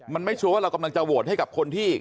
มันไม่ชัวร์ว่าเรากำลังจะโหวตให้กับคนที่